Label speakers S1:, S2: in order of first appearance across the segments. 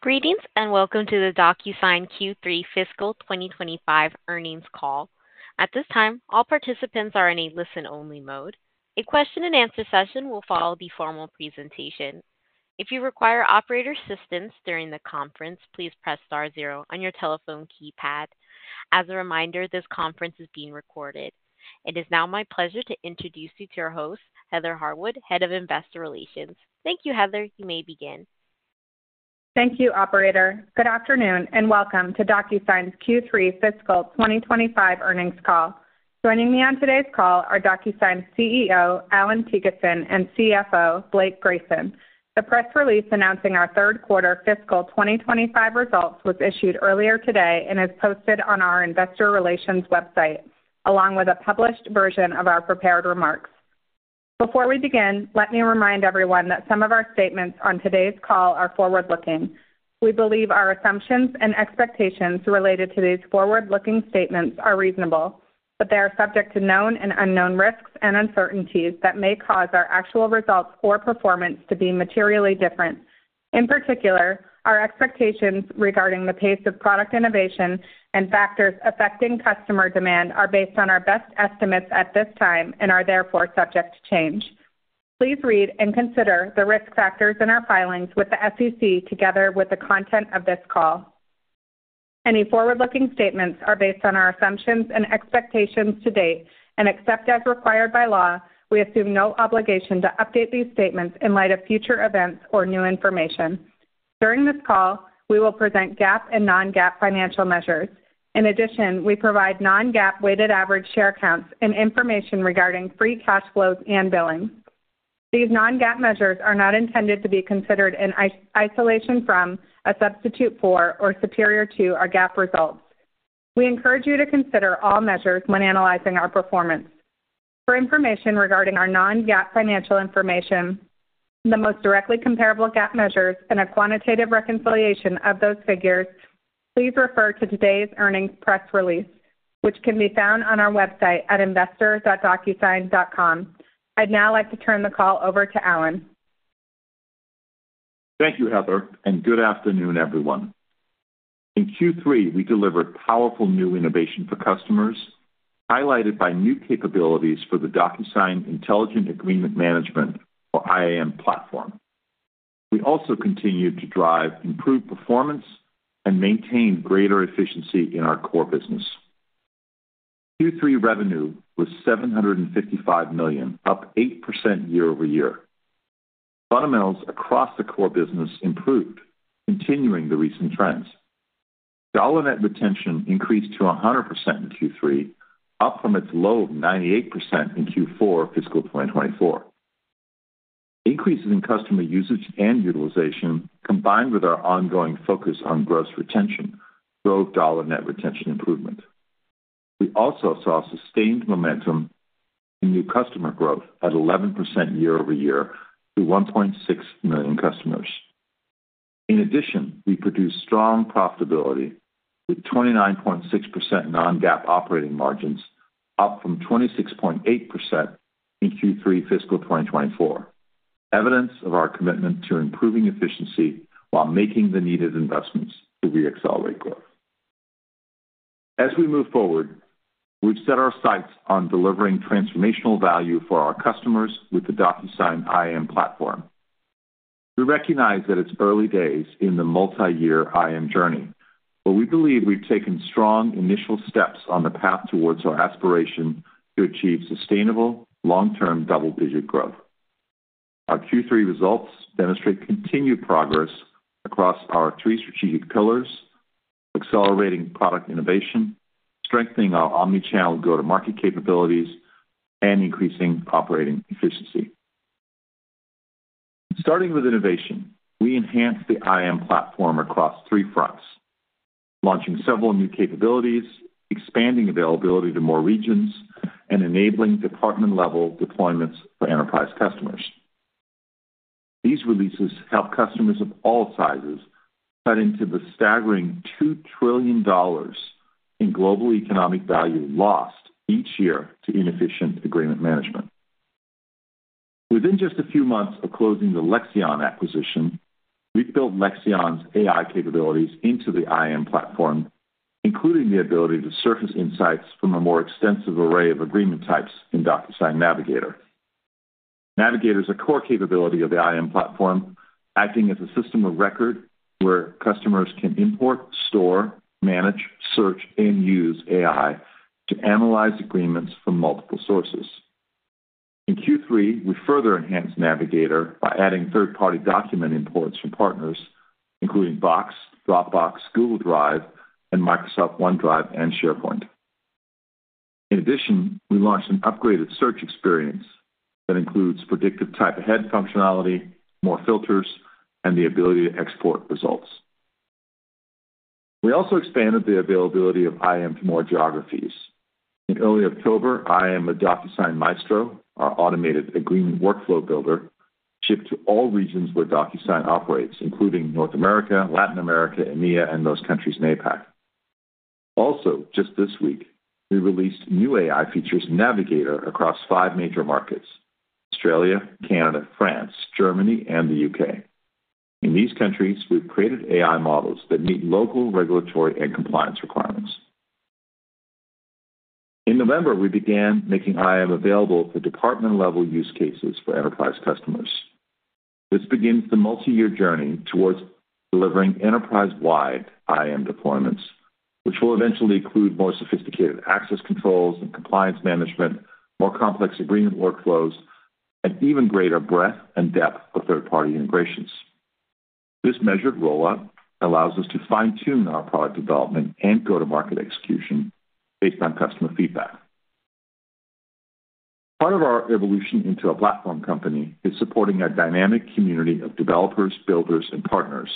S1: Greetings and welcome to the Docusign Q3 Fiscal 2025 earnings call. At this time, all participants are in a listen-only mode. A question-and-answer session will follow the formal presentation. If you require operator assistance during the conference, please press star zero on your telephone keypad. As a reminder, this conference is being recorded. It is now my pleasure to introduce you to our host, Heather Harwood, Head of Investor Relations. Thank you, Heather. You may begin.
S2: Thank you, Operator. Good afternoon and welcome to Docusign's Q3 Fiscal 2025 earnings call. Joining me on today's call are Docusign CEO, Allan Thygesen, and CFO, Blake Grayson. The press release announcing our third quarter fiscal 2025 results was issued earlier today and is posted on our investor relations website, along with a published version of our prepared remarks. Before we begin, let me remind everyone that some of our statements on today's call are forward-looking. We believe our assumptions and expectations related to these forward-looking statements are reasonable, but they are subject to known and unknown risks and uncertainties that may cause our actual results or performance to be materially different. In particular, our expectations regarding the pace of product innovation and factors affecting customer demand are based on our best estimates at this time and are therefore subject to change. Please read and consider the risk factors in our filings with the SEC together with the content of this call. Any forward-looking statements are based on our assumptions and expectations to date and, except as required by law, we assume no obligation to update these statements in light of future events or new information. During this call, we will present GAAP and non-GAAP financial measures. In addition, we provide non-GAAP weighted average share counts and information regarding free cash flows and billings. These non-GAAP measures are not intended to be considered in isolation from, a substitute for, or superior to our GAAP results. We encourage you to consider all measures when analyzing our performance. For information regarding our non-GAAP financial information, the most directly comparable GAAP measures, and a quantitative reconciliation of those figures, please refer to today's earnings press release, which can be found on our website at investor.docusign.com. I'd now like to turn the call over to Allan.
S3: Thank you, Heather, and good afternoon, everyone. In Q3, we delivered powerful new innovation for customers, highlighted by new capabilities for the Docusign Intelligent Agreement Management, or IAM, platform. We also continued to drive improved performance and maintain greater efficiency in our core business. Q3 revenue was $755 million, up 8% year-over-year. Fundamentals across the core business improved, continuing the recent trends. Dollar net retention increased to 100% in Q3, up from its low of 98% in Q4 fiscal 2024. Increases in customer usage and utilization, combined with our ongoing focus on gross retention, drove dollar net retention improvement. We also saw sustained momentum in new customer growth at 11% year-over-year to 1.6 million customers. In addition, we produced strong profitability with 29.6% non-GAAP operating margins, up from 26.8% in Q3 fiscal 2024, evidence of our commitment to improving efficiency while making the needed investments to re-accelerate growth. As we move forward, we've set our sights on delivering transformational value for our customers with the Docusign IAM platform. We recognize that it's early days in the multi-year IAM journey, but we believe we've taken strong initial steps on the path towards our aspiration to achieve sustainable, long-term double-digit growth. Our Q3 results demonstrate continued progress across our three strategic pillars: accelerating product innovation, strengthening our omnichannel go-to-market capabilities, and increasing operating efficiency. Starting with innovation, we enhanced the IAM platform across three fronts, launching several new capabilities, expanding availability to more regions, and enabling department-level deployments for enterprise customers. These releases help customers of all sizes cut into the staggering $2 trillion in global economic value lost each year to inefficient agreement management. Within just a few months of closing the Lexion acquisition, we've built Lexion's AI capabilities into the IAM platform, including the ability to surface insights from a more extensive array of agreement types in Docusign Navigator. Navigator is a core capability of the IAM platform, acting as a system of record where customers can import, store, manage, search, and use AI to analyze agreements from multiple sources. In Q3, we further enhanced Navigator by adding third-party document imports from partners, including Box, Dropbox, Google Drive, and Microsoft OneDrive and SharePoint. In addition, we launched an upgraded search experience that includes predictive type-ahead functionality, more filters, and the ability to export results. We also expanded the availability of IAM to more geographies. In early October, IAM with Docusign Maestro, our automated agreement workflow builder, shipped to all regions where Docusign operates, including North America, Latin America, EMEA, and those countries in APAC. Also, just this week, we released new AI features in Navigator across five major markets: Australia, Canada, France, Germany, and the UK. In these countries, we've created AI models that meet local regulatory and compliance requirements. In November, we began making IAM available for department-level use cases for enterprise customers. This begins the multi-year journey towards delivering enterprise-wide IAM deployments, which will eventually include more sophisticated access controls and compliance management, more complex agreement workflows, and even greater breadth and depth of third-party integrations. This measured rollout allows us to fine-tune our product development and go-to-market execution based on customer feedback. Part of our evolution into a platform company is supporting a dynamic community of developers, builders, and partners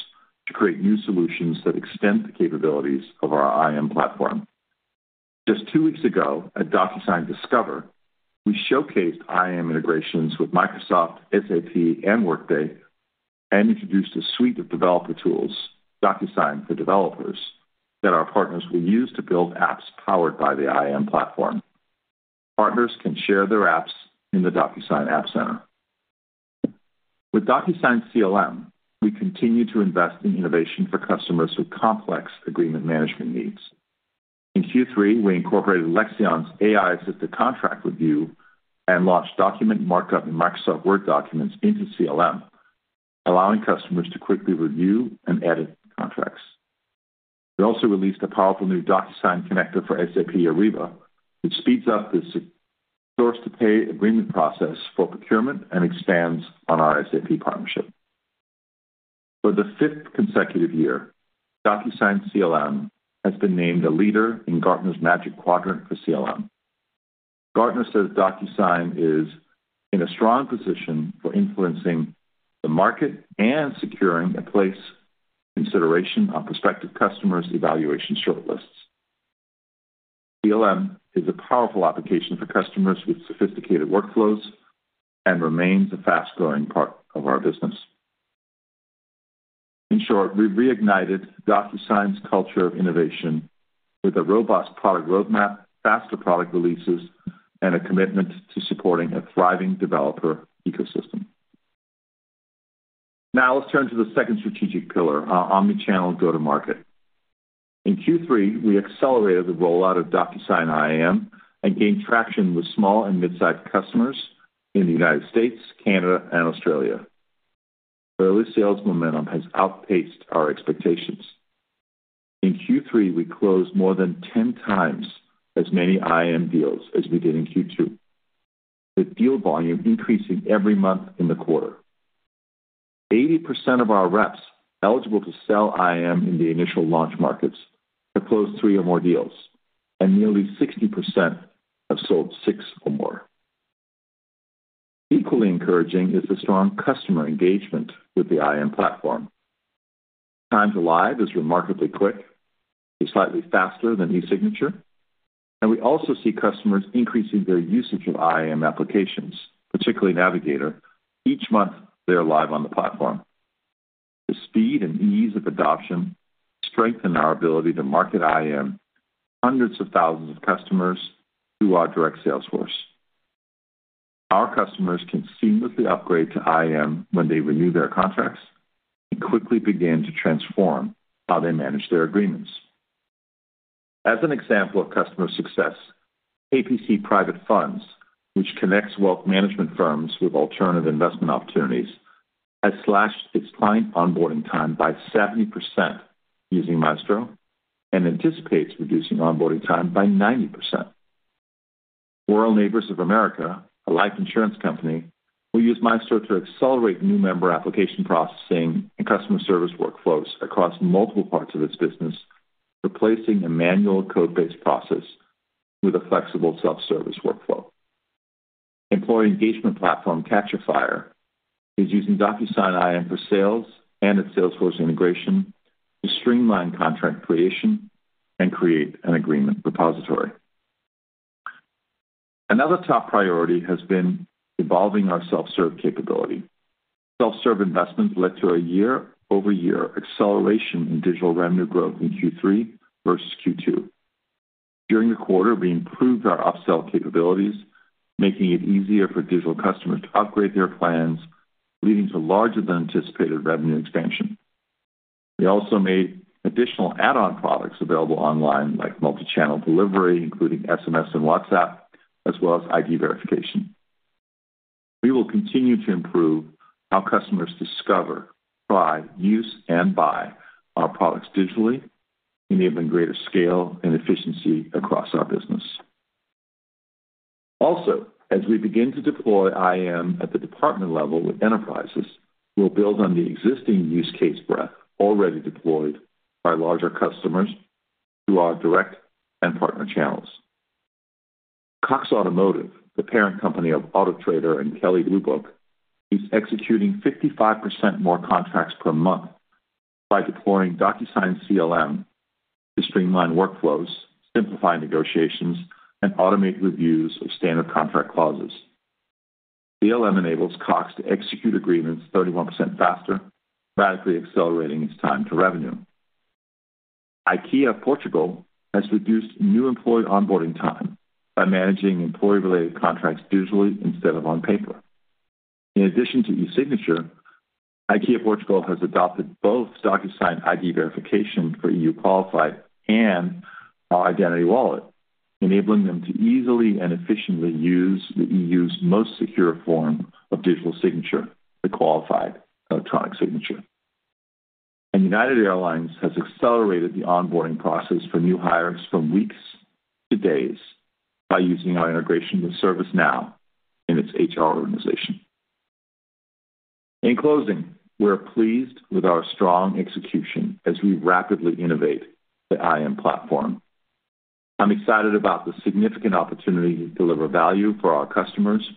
S3: to create new solutions that extend the capabilities of our IAM platform. Just two weeks ago at Docusign Discover, we showcased IAM integrations with Microsoft, SAP, and Workday, and introduced a suite of developer tools, Docusign for Developers, that our partners will use to build apps powered by the IAM platform. Partners can share their apps in the Docusign App Center. With Docusign CLM, we continue to invest in innovation for customers with complex agreement management needs. In Q3, we incorporated Lexion's AI-assisted contract review and launched document markup in Microsoft Word documents into CLM, allowing customers to quickly review and edit contracts. We also released a powerful new Docusign connector for SAP Ariba, which speeds up the source-to-pay agreement process for procurement and expands on our SAP partnership. For the fifth consecutive year, Docusign CLM has been named a leader in Gartner's Magic Quadrant for CLM. Gartner says Docusign is in a strong position for influencing the market and securing a place in consideration on prospective customers' evaluation shortlists. CLM is a powerful application for customers with sophisticated workflows and remains a fast-growing part of our business. In short, we've reignited Docusign's culture of innovation with a robust product roadmap, faster product releases, and a commitment to supporting a thriving developer ecosystem. Now let's turn to the second strategic pillar, our omnichannel go-to-market. In Q3, we accelerated the rollout of Docusign IAM and gained traction with small and mid-sized customers in the United States, Canada, and Australia. Early sales momentum has outpaced our expectations. In Q3, we closed more than 10 times as many IAM deals as we did in Q2, with deal volume increasing every month in the quarter. 80% of our reps eligible to sell IAM in the initial launch markets have closed three or more deals, and nearly 60% have sold six or more. Equally encouraging is the strong customer engagement with the IAM platform. Time to go live is remarkably quick, slightly faster than e-signature, and we also see customers increasing their usage of IAM applications, particularly Navigator. Each month, they're live on the platform. The speed and ease of adoption strengthen our ability to market IAM to hundreds of thousands of customers through our direct sales force. Our customers can seamlessly upgrade to IAM when they renew their contracts and quickly begin to transform how they manage their agreements. As an example of customer success, KPC Private Funds, which connects wealth management firms with alternative investment opportunities, has slashed its client onboarding time by 70% using Maestro and anticipates reducing onboarding time by 90%. Royal Neighbors of America, a life insurance company, will use Maestro to accelerate new member application processing and customer service workflows across multiple parts of its business, replacing a manual code-based process with a flexible self-service workflow. Employee engagement platform Catchafire is using Docusign IAM for sales and its Salesforce integration to streamline contract creation and create an agreement repository. Another top priority has been evolving our self-serve capability. Self-serve investments led to a year-over-year acceleration in digital revenue growth in Q3 versus Q2. During the quarter, we improved our upsell capabilities, making it easier for digital customers to upgrade their plans, leading to larger-than-anticipated revenue expansion. We also made additional add-on products available online, like multi-channel delivery, including SMS and WhatsApp, as well as ID verification. We will continue to improve how customers discover, try, use, and buy our products digitally, enabling greater scale and efficiency across our business. Also, as we begin to deploy IAM at the department level with enterprises, we'll build on the existing use case breadth already deployed by larger customers through our direct and partner channels. Cox Automotive, the parent company of Autotrader and Kelley Blue Book, is executing 55% more contracts per month by deploying Docusign CLM to streamline workflows, simplify negotiations, and automate reviews of standard contract clauses. CLM enables Cox to execute agreements 31% faster, radically accelerating its time to revenue. IKEA Portugal has reduced new employee onboarding time by managing employee-related contracts digitally instead of on paper. In addition to e-signature, IKEA Portugal has adopted both Docusign ID Verification for EU qualified and our Identity Wallet, enabling them to easily and efficiently use the EU's most secure form of digital signature, the qualified electronic signature, and United Airlines has accelerated the onboarding process for new hires from weeks to days by using our integration with ServiceNow in its HR organization. In closing, we're pleased with our strong execution as we rapidly innovate the IAM platform. I'm excited about the significant opportunity to deliver value for our customers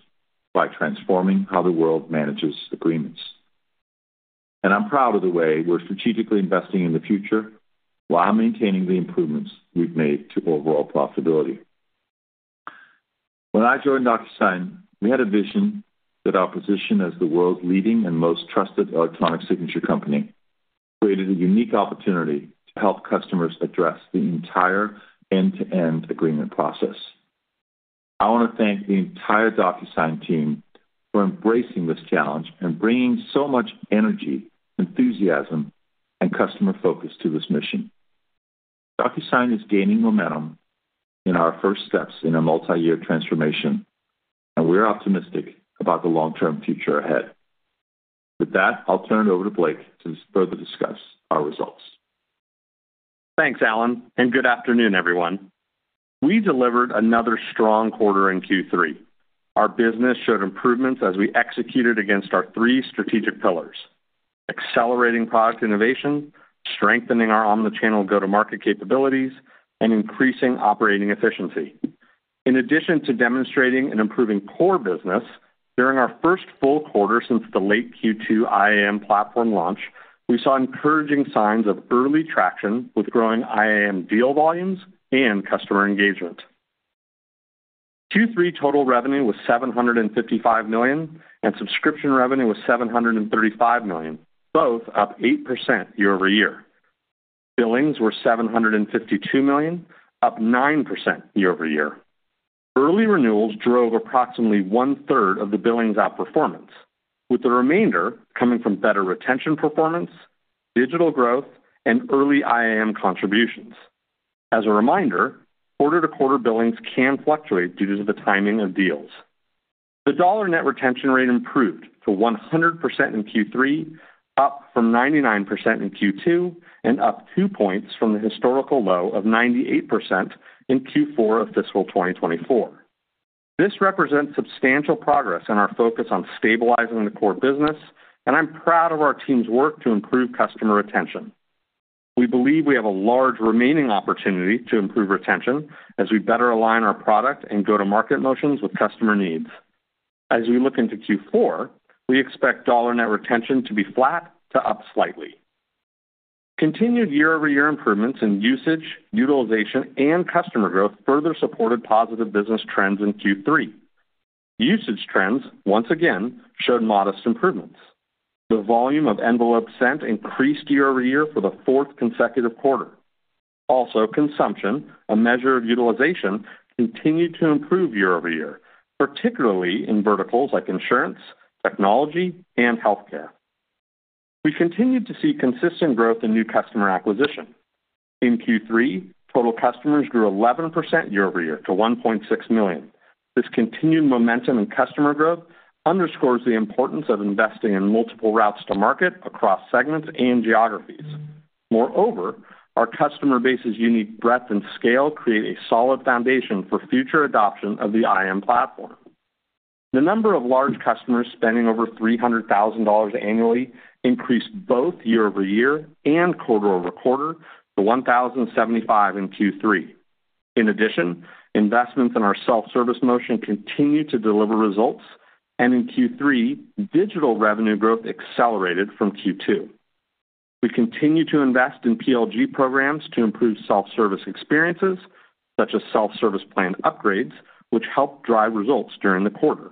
S3: by transforming how the world manages agreements, and I'm proud of the way we're strategically investing in the future while maintaining the improvements we've made to overall profitability. When I joined Docusign, we had a vision that our position as the world's leading and most trusted electronic signature company created a unique opportunity to help customers address the entire end-to-end agreement process. I want to thank the entire Docusign team for embracing this challenge and bringing so much energy, enthusiasm, and customer focus to this mission. Docusign is gaining momentum in our first steps in a multi-year transformation, and we're optimistic about the long-term future ahead. With that, I'll turn it over to Blake to further discuss our results.
S4: Thanks, Allan, and good afternoon, everyone. We delivered another strong quarter in Q3. Our business showed improvements as we executed against our three strategic pillars: accelerating product innovation, strengthening our omnichannel go-to-market capabilities, and increasing operating efficiency. In addition to demonstrating an improving core business, during our first full quarter since the late Q2 IAM platform launch, we saw encouraging signs of early traction with growing IAM deal volumes and customer engagement. Q3 total revenue was $755 million, and subscription revenue was $735 million, both up 8% year-over-year. Billings were $752 million, up 9% year-over-year. Early renewals drove approximately one-third of the billings outperformance, with the remainder coming from better retention performance, digital growth, and early IAM contributions. As a reminder, quarter-to-quarter billings can fluctuate due to the timing of deals. The dollar net retention rate improved to 100% in Q3, up from 99% in Q2, and up two points from the historical low of 98% in Q4 of fiscal 2024. This represents substantial progress in our focus on stabilizing the core business, and I'm proud of our team's work to improve customer retention. We believe we have a large remaining opportunity to improve retention as we better align our product and go-to-market motions with customer needs. As we look into Q4, we expect dollar net retention to be flat to up slightly. Continued year-over-year improvements in usage, utilization, and customer growth further supported positive business trends in Q3. Usage trends, once again, showed modest improvements. The volume of envelope sent increased year-over-year for the fourth consecutive quarter. Also, consumption, a measure of utilization, continued to improve year-over-year, particularly in verticals like insurance, technology, and healthcare. We continued to see consistent growth in new customer acquisition. In Q3, total customers grew 11% year-over-year to 1.6 million. This continued momentum in customer growth underscores the importance of investing in multiple routes to market across segments and geographies. Moreover, our customer base's unique breadth and scale create a solid foundation for future adoption of the IAM platform. The number of large customers spending over $300,000 annually increased both year-over-year and quarter-over-quarter to 1,075 in Q3. In addition, investments in our self-service motion continue to deliver results, and in Q3, digital revenue growth accelerated from Q2. We continue to invest in PLG programs to improve self-service experiences, such as self-service plan upgrades, which helped drive results during the quarter.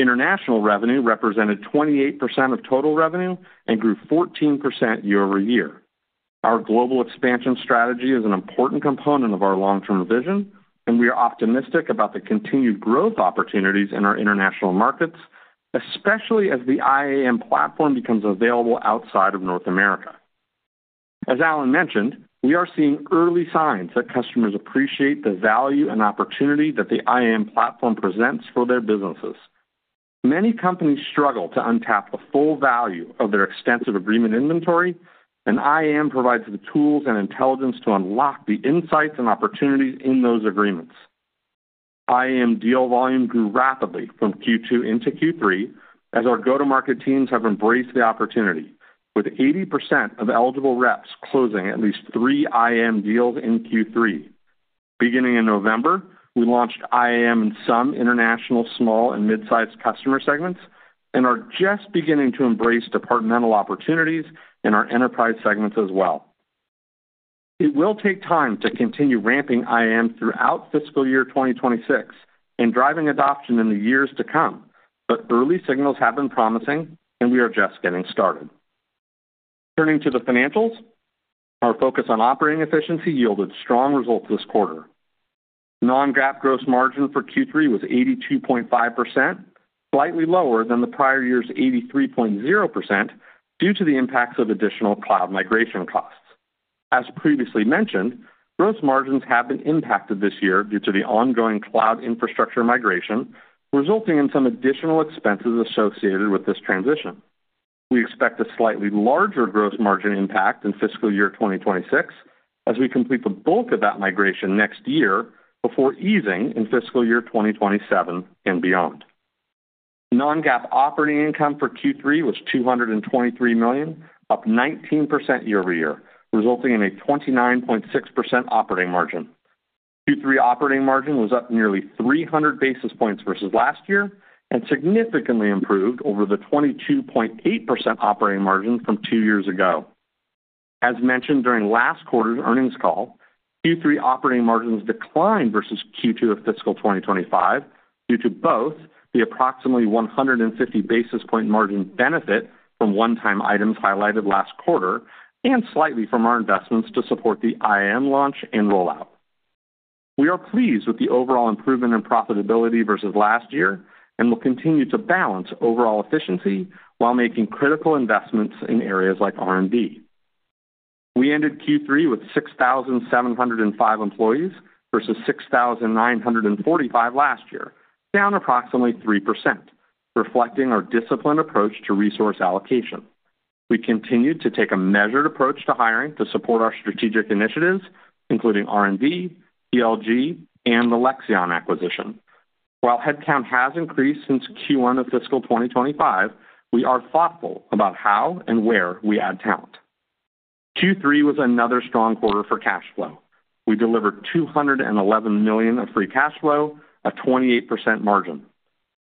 S4: International revenue represented 28% of total revenue and grew 14% year-over-year. Our global expansion strategy is an important component of our long-term vision, and we are optimistic about the continued growth opportunities in our international markets, especially as the IAM platform becomes available outside of North America. As Allan mentioned, we are seeing early signs that customers appreciate the value and opportunity that the IAM platform presents for their businesses. Many companies struggle to tap the full value of their extensive agreement inventory, and IAM provides the tools and intelligence to unlock the insights and opportunities in those agreements. IAM deal volume grew rapidly from Q2 into Q3 as our go-to-market teams have embraced the opportunity, with 80% of eligible reps closing at least three IAM deals in Q3. Beginning in November, we launched IAM in some international small and mid-sized customer segments and are just beginning to embrace departmental opportunities in our enterprise segments as well. It will take time to continue ramping IAM throughout fiscal year 2026 and driving adoption in the years to come, but early signals have been promising, and we are just getting started. Turning to the financials, our focus on operating efficiency yielded strong results this quarter. Non-GAAP gross margin for Q3 was 82.5%, slightly lower than the prior year's 83.0% due to the impacts of additional cloud migration costs. As previously mentioned, gross margins have been impacted this year due to the ongoing cloud infrastructure migration, resulting in some additional expenses associated with this transition. We expect a slightly larger gross margin impact in fiscal year 2026 as we complete the bulk of that migration next year before easing in fiscal year 2027 and beyond. Non-GAAP operating income for Q3 was $223 million, up 19% year-over-year, resulting in a 29.6% operating margin. Q3 operating margin was up nearly 300 basis points versus last year and significantly improved over the 22.8% operating margin from two years ago. As mentioned during last quarter's earnings call, Q3 operating margins declined versus Q2 of fiscal 2025 due to both the approximately 150 basis point margin benefit from one-time items highlighted last quarter and slightly from our investments to support the IAM launch and rollout. We are pleased with the overall improvement in profitability versus last year and will continue to balance overall efficiency while making critical investments in areas like R&D. We ended Q3 with 6,705 employees versus 6,945 last year, down approximately 3%, reflecting our disciplined approach to resource allocation. We continued to take a measured approach to hiring to support our strategic initiatives, including R&D, PLG, and the Lexion acquisition. While headcount has increased since Q1 of fiscal 2025, we are thoughtful about how and where we add talent. Q3 was another strong quarter for cash flow. We delivered $211 million of free cash flow, a 28% margin.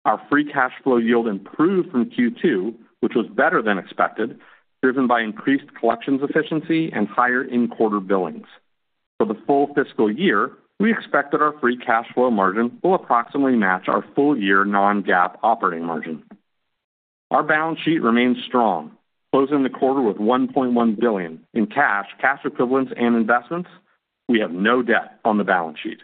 S4: Our free cash flow yield improved from Q2, which was better than expected, driven by increased collections efficiency and higher in-quarter billings. For the full fiscal year, we expect that our free cash flow margin will approximately match our full-year non-GAAP operating margin. Our balance sheet remains strong, closing the quarter with $1.1 billion in cash, cash equivalents, and investments. We have no debt on the balance sheet.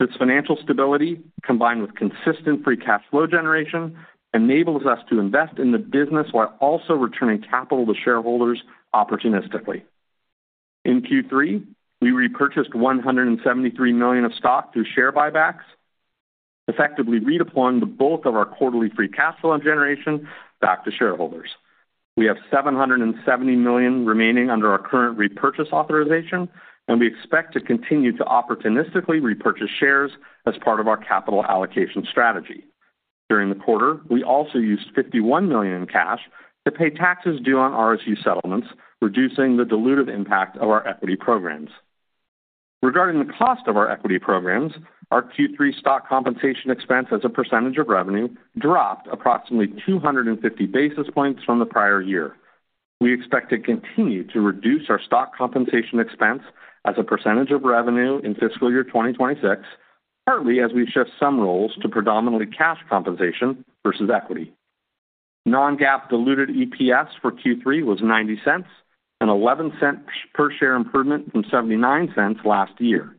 S4: This financial stability, combined with consistent free cash flow generation, enables us to invest in the business while also returning capital to shareholders opportunistically. In Q3, we repurchased $173 million of stock through share buybacks, effectively redeploying the bulk of our quarterly free cash flow generation back to shareholders. We have $770 million remaining under our current repurchase authorization, and we expect to continue to opportunistically repurchase shares as part of our capital allocation strategy. During the quarter, we also used $51 million in cash to pay taxes due on RSU settlements, reducing the dilutive impact of our equity programs. Regarding the cost of our equity programs, our Q3 stock compensation expense as a percentage of revenue dropped approximately 250 basis points from the prior year. We expect to continue to reduce our stock compensation expense as a percentage of revenue in fiscal year 2026, partly as we shift some roles to predominantly cash compensation versus equity. Non-GAAP diluted EPS for Q3 was $0.90, a $0.11 per share improvement from $0.79 last year.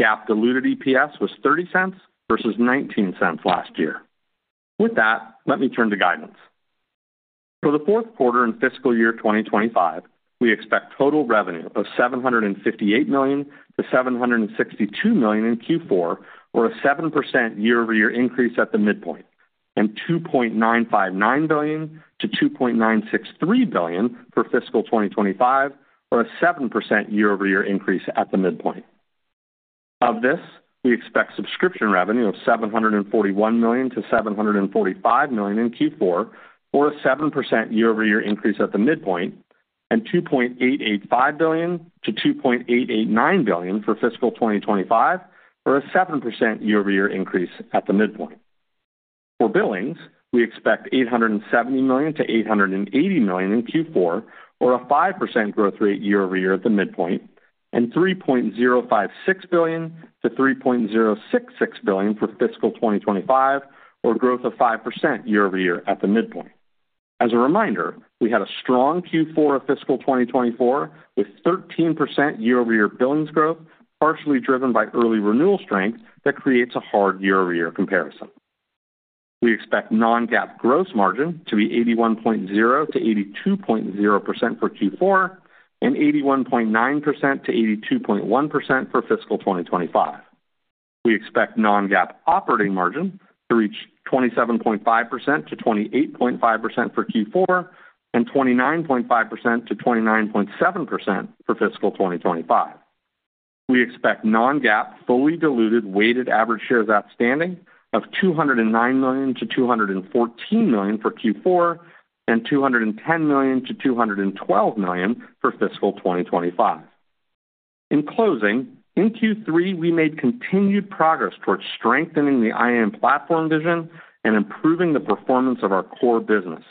S4: GAAP diluted EPS was $0.30 versus $0.19 last year. With that, let me turn to guidance. For the fourth quarter in fiscal year 2025, we expect total revenue of $758 million-$762 million in Q4, or a 7% year-over-year increase at the midpoint, and $2.959 billion-$2.963 billion for fiscal 2025, or a 7% year-over-year increase at the midpoint. Of this, we expect subscription revenue of $741 million-$745 million in Q4, or a 7% year-over-year increase at the midpoint, and $2.885 billion-$2.889 billion for fiscal 2025, or a 7% year-over-year increase at the midpoint. For billings, we expect $870 million-$880 million in Q4, or a 5% growth rate year-over-year at the midpoint, and $3.056 billion-$3.066 billion for fiscal 2025, or growth of 5% year-over-year at the midpoint. As a reminder, we had a strong Q4 of fiscal 2024 with 13% year-over-year billings growth, partially driven by early renewal strength that creates a hard year-over-year comparison. We expect non-GAAP gross margin to be 81.0%-82.0% for Q4, and 81.9%-82.1% for fiscal 2025. We expect non-GAAP operating margin to reach 27.5%-28.5% for Q4, and 29.5%-29.7% for fiscal 2025. We expect non-GAAP fully diluted weighted average shares outstanding of 209 million-214 million for Q4, and 210 million-212 million for fiscal 2025. In closing, in Q3, we made continued progress towards strengthening the IAM platform vision and improving the performance of our core business.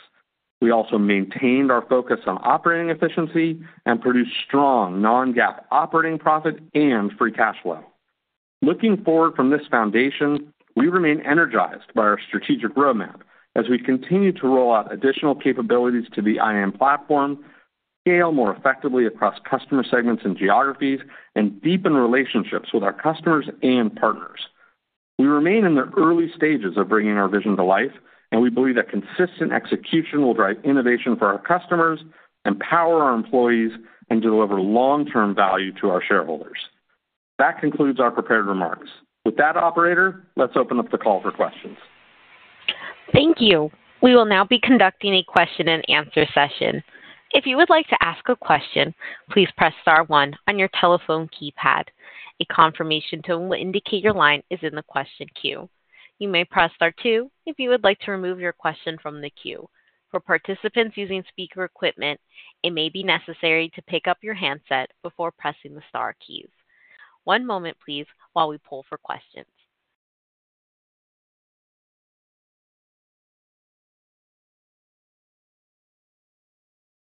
S4: We also maintained our focus on operating efficiency and produced strong non-GAAP operating profit and free cash flow. Looking forward from this foundation, we remain energized by our strategic roadmap as we continue to roll out additional capabilities to the IAM platform, scale more effectively across customer segments and geographies, and deepen relationships with our customers and partners. We remain in the early stages of bringing our vision to life, and we believe that consistent execution will drive innovation for our customers, empower our employees, and deliver long-term value to our shareholders. That concludes our prepared remarks. With that, Operator, let's open up the call for questions.
S1: Thank you. We will now be conducting a question-and-answer session. If you would like to ask a question, please press star one on your telephone keypad. A confirmation tone will indicate your line is in the question queue. You may press star two if you would like to remove your question from the queue. For participants using speaker equipment, it may be necessary to pick up your handset before pressing the star keys. One moment, please, while we pull for questions.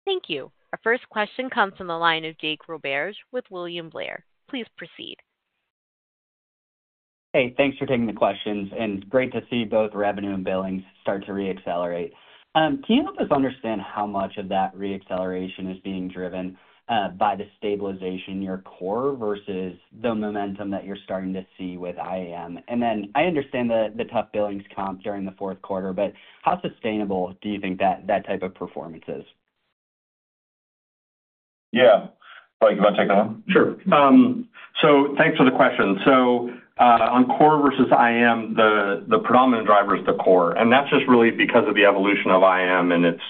S1: Thank you. Our first question comes from the line of Jake Roberge, with William Blair. Please proceed.
S5: Hey, thanks for taking the questions, and great to see both revenue and billings start to reaccelerate. Can you help us understand how much of that reacceleration is being driven by the stabilization in your core versus the momentum that you're starting to see with IAM? And then I understand the tough billings comp during the fourth quarter, but how sustainable do you think that that type of performance is?
S3: Yeah. Blake, do you want to take that one?
S4: Sure. So thanks for the question. So on core versus IAM, the predominant driver is the core, and that's just really because of the evolution of IAM, and it's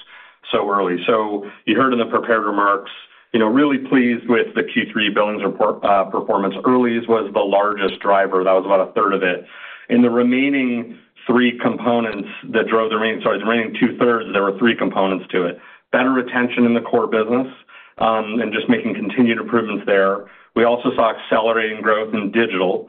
S4: so early. So you heard in the prepared remarks, really pleased with the Q3 billings performance. Core was the largest driver. That was about a third of it. In the remaining three components that drove the remaining, sorry, the remaining two-thirds, there were three components to it: better retention in the core business and just making continued improvements there. We also saw accelerating growth in eSignature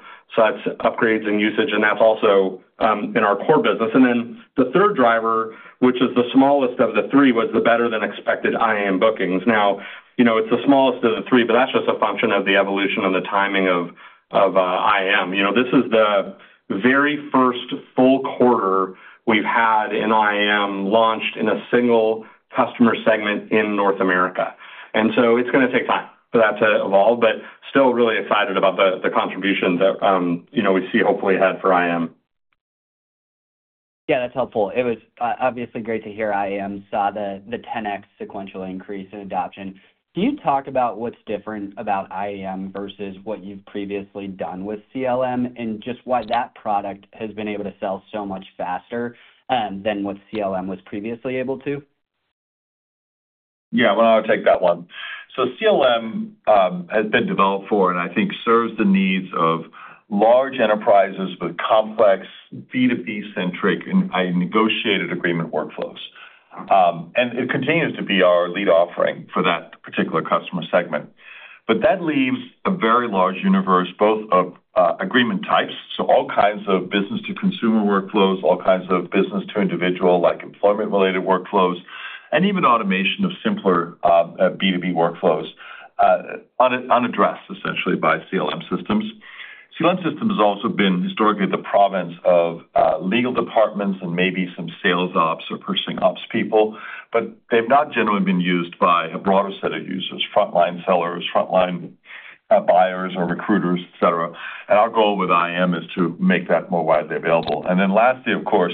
S4: upgrades and usage, and that's also in our core business, and then the third driver, which is the smallest of the three, was the better-than-expected IAM bookings. Now, it's the smallest of the three, but that's just a function of the evolution and the timing of IAM. This is the very first full quarter we've had in IAM launched in a single customer segment in North America. And so it's going to take time for that to evolve, but still really excited about the contribution that we see hopefully ahead for IAM.
S5: Yeah, that's helpful. It was obviously great to hear IAM saw the 10x sequential increase in adoption. Can you talk about what's different about IAM versus what you've previously done with CLM and just why that product has been able to sell so much faster than what CLM was previously able to?
S3: Yeah, well, I'll take that one so CLM has been developed for, and I think serves the needs of large enterprises with complex B2B-centric and negotiated agreement workflows, and it continues to be our lead offering for that particular customer segment but that leaves a very large universe, both of agreement types, so all kinds of business-to-consumer workflows, all kinds of business-to-individual, like employment-related workflows, and even automation of simpler B2B workflows unaddressed, essentially, by CLM systems. CLM systems have also been historically the province of legal departments and maybe some sales ops or purchasing ops people, but they've not generally been used by a broader set of users: frontline sellers, frontline buyers, or recruiters, etc. And our goal with IAM is to make that more widely available. And then lastly, of course,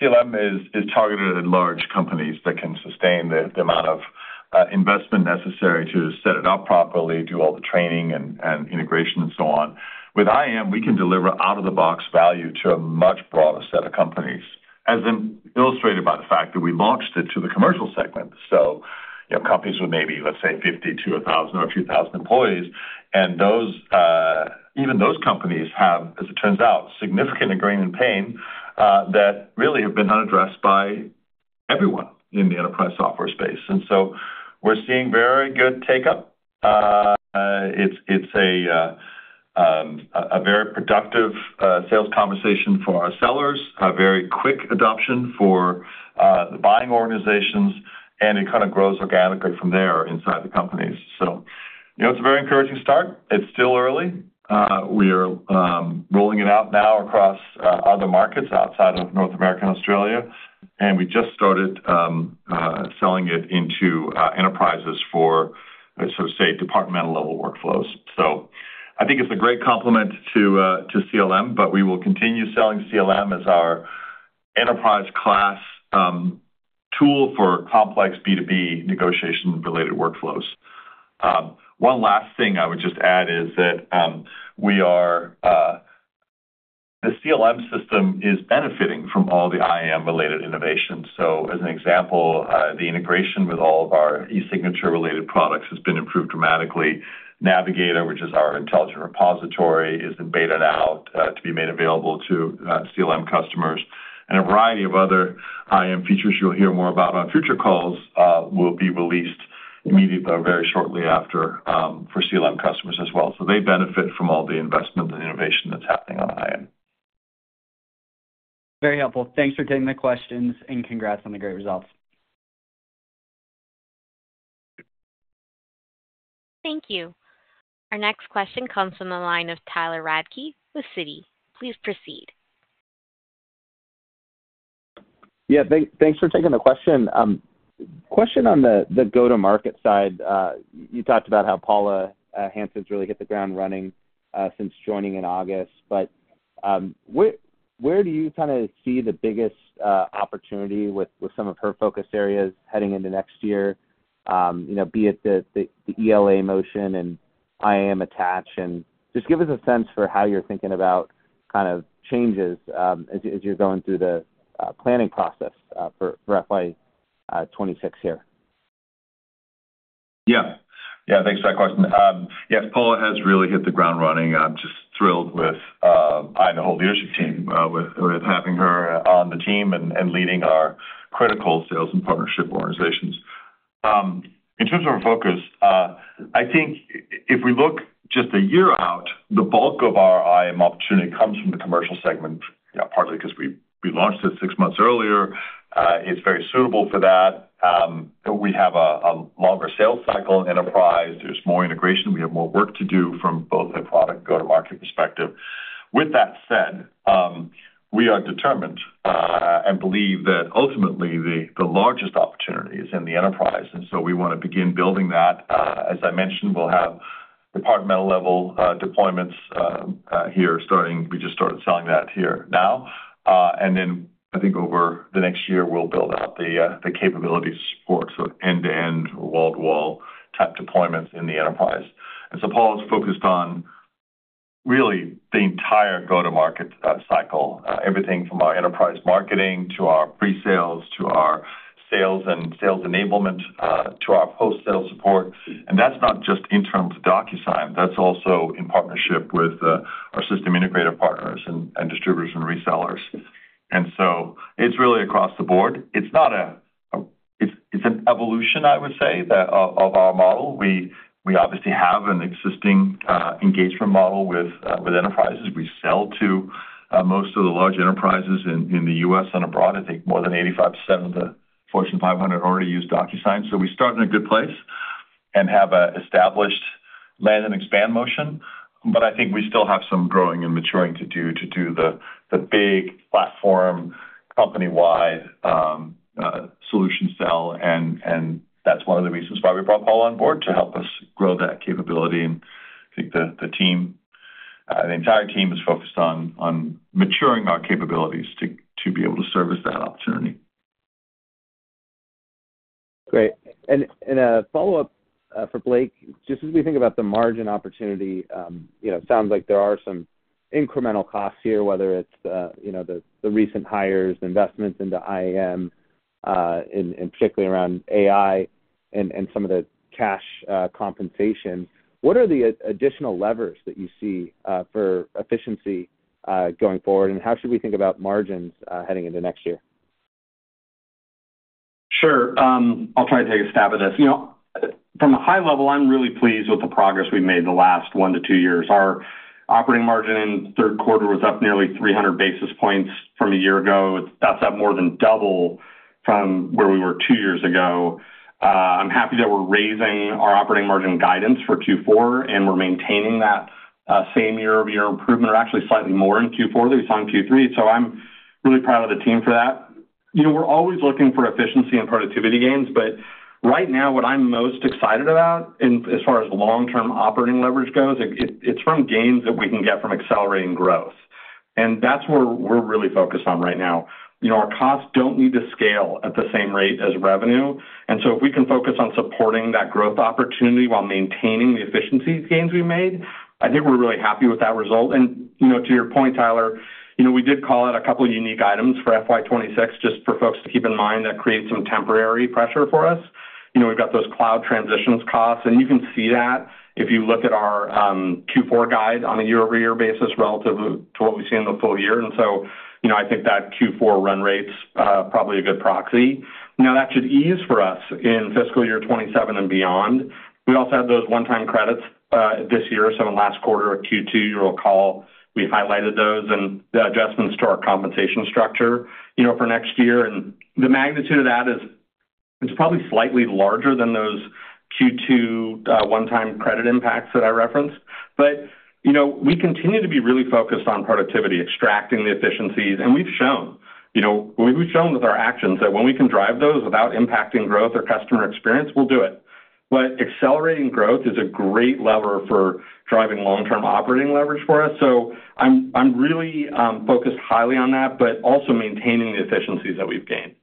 S3: CLM is targeted at large companies that can sustain the amount of investment necessary to set it up properly, do all the training and integration, and so on. With IAM, we can deliver out-of-the-box value to a much broader set of companies, as illustrated by the fact that we launched it to the commercial segment. So companies with maybe, let's say, 50-1,000 or 2,000 employees, and even those companies have, as it turns out, significant agreement pain that really have been unaddressed by everyone in the enterprise software space. And so we're seeing very good take-up. It's a very productive sales conversation for our sellers, a very quick adoption for the buying organizations, and it kind of grows organically from there inside the companies. So it's a very encouraging start. It's still early. We are rolling it out now across other markets outside of North America and Australia, and we just started selling it into enterprises for, so to say, departmental-level workflows. So I think it's a great complement to CLM, but we will continue selling CLM as our enterprise-class tool for complex B2B negotiation-related workflows. One last thing I would just add is that the CLM system is benefiting from all the IAM-related innovations. So as an example, the integration with all of our e-signature-related products has been improved dramatically. Navigator, which is our intelligent repository, is in beta now to be made available to CLM customers. And a variety of other IAM features you'll hear more about on future calls will be released immediately or very shortly after for CLM customers as well. So they benefit from all the investment and innovation that's happening on IAM.
S5: Very helpful. Thanks for taking the questions and congrats on the great results.
S1: Thank you. Our next question comes from the line of Tyler Radke with Citi. Please proceed.
S6: Yeah, thanks for taking the question. Question on the go-to-market side, you talked about how Paula Hansen's really hit the ground running since joining in August, but where do you kind of see the biggest opportunity with some of her focus areas heading into next year, be it the ELA motion and IAM attached? And just give us a sense for how you're thinking about kind of changes as you're going through the planning process for FY2026 here.
S3: Yeah. Yeah, thanks for that question. Yes, Paula has really hit the ground running. I'm just thrilled with the whole leadership team with having her on the team and leading our critical sales and partnership organizations. In terms of our focus, I think if we look just a year out, the bulk of our IAM opportunity comes from the commercial segment, partly because we launched it six months earlier. It's very suitable for that. We have a longer sales cycle in enterprise. There's more integration. We have more work to do from both a product go-to-market perspective. With that said, we are determined and believe that ultimately the largest opportunity is in the enterprise, and so we want to begin building that. As I mentioned, we'll have departmental-level deployments here. We just started selling that here now. And then I think over the next year, we'll build out the capability support, so end-to-end, wall-to-wall type deployments in the enterprise. And so Paula's focused on really the entire go-to-market cycle, everything from our enterprise marketing to our pre-sales to our sales and sales enablement to our post-sales support. And that's not just internal to Docusign. That's also in partnership with our system integrator partners and distributors and resellers. And so it's really across the board. It's an evolution, I would say, of our model. We obviously have an existing engagement model with enterprises. We sell to most of the large enterprises in the U.S. and abroad. I think more than 85% of the Fortune 500 already use Docusign. So, we start in a good place and have an established land-and-expand motion, but I think we still have some growing and maturing to do the big platform company-wide solution sell. That's one of the reasons why we brought Paula on board to help us grow that capability. I think the team, the entire team, is focused on maturing our capabilities to be able to service that opportunity.
S6: Great. A follow-up for Blake: just as we think about the margin opportunity, it sounds like there are some incremental costs here, whether it's the recent hires, investments into IAM, and particularly around AI and some of the cash compensation. What are the additional levers that you see for efficiency going forward, and how should we think about margins heading into next year?
S4: Sure. I'll try to take a stab at this. From a high level, I'm really pleased with the progress we've made the last one to two years. Our operating margin in third quarter was up nearly 300 basis points from a year ago. That's up more than double from where we were two years ago. I'm happy that we're raising our operating margin guidance for Q4, and we're maintaining that same year-over-year improvement, or actually slightly more in Q4 than we saw in Q3. So I'm really proud of the team for that. We're always looking for efficiency and productivity gains, but right now, what I'm most excited about, as far as long-term operating leverage goes, it's from gains that we can get from accelerating growth, and that's where we're really focused on right now. Our costs don't need to scale at the same rate as revenue. And so if we can focus on supporting that growth opportunity while maintaining the efficiency gains we've made, I think we're really happy with that result. And to your point, Tyler, we did call out a couple of unique items for FY2026, just for folks to keep in mind that creates some temporary pressure for us. We've got those cloud transition costs, and you can see that if you look at our Q4 guide on a year-over-year basis relative to what we've seen in the full year. And so I think that Q4 run rate's probably a good proxy. Now, that should ease for us in fiscal year 2027 and beyond. We also had those one-time credits this year. So in the last quarter of Q2, you'll recall we highlighted those and the adjustments to our compensation structure for next year. And the magnitude of that is probably slightly larger than those Q2 one-time credit impacts that I referenced. But we continue to be really focused on productivity, extracting the efficiencies. And we've shown with our actions that when we can drive those without impacting growth or customer experience, we'll do it. But accelerating growth is a great lever for driving long-term operating leverage for us. So I'm really focused highly on that, but also maintaining the efficiencies that we've gained.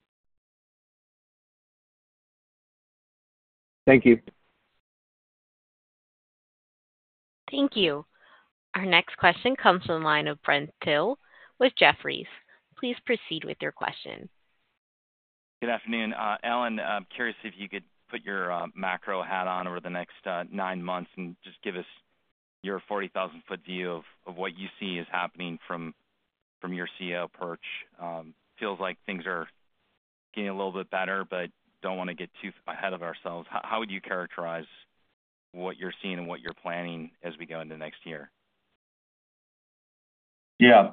S6: Thank you.
S1: Thank you. Our next question comes from the line of Brent Thill with Jefferies. Please proceed with your question.
S7: Good afternoon. Allan, I'm curious if you could put your macro hat on over the next nine months and just give us your 40,000-foot view of what you see is happening from your CEO perch. Feels like things are getting a little bit better, but don't want to get too ahead of ourselves. How would you characterize what you're seeing and what you're planning as we go into next year?
S3: Yeah.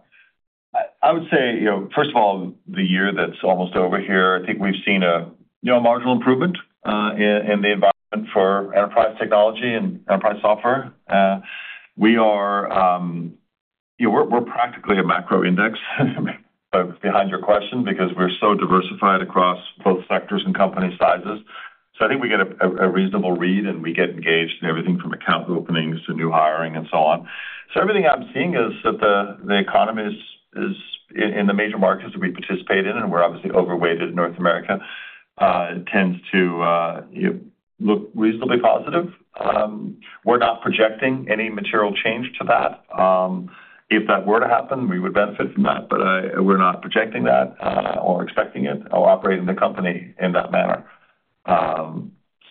S3: I would say, first of all, the year that's almost over here, I think we've seen a marginal improvement in the environment for enterprise technology and enterprise software. We're practically a macro index, but to answer your question, because we're so diversified across both sectors and company sizes. So I think we get a reasonable read, and we get engaged in everything from account openings to new hiring and so on. So everything I'm seeing is that the economy in the major markets that we participate in, and we're obviously overweighted in North America, tends to look reasonably positive. We're not projecting any material change to that. If that were to happen, we would benefit from that, but we're not projecting that or expecting it or operating the company in that manner.